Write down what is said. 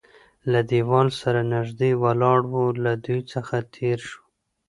له دېوال سره نږدې ولاړ و، له دوی څخه تېر شوو.